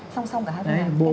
xong xong cả hai phương án